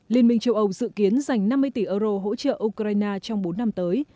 liên minh châu âu dự kiến dành năm mươi tỷ euro hỗ trợ ukraine trong bốn năm tới